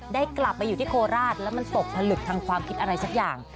ได้กลับไปอยู่ที่โคราชแล้วมันตกผลึกทางความคิดอะไรสักอย่าง